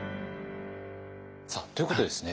さあということでですね。